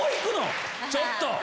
ちょっと！